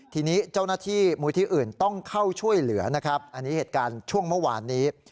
ทีนี้เจ้าหน้าที่มูลที่อื่นต้องเข้าช่วยเหลือนะครับอันนี้เหตุการณ์ช่วงเมื่อวานนี้